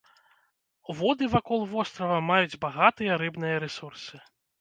Воды вакол вострава маюць багатыя рыбныя рэсурсы.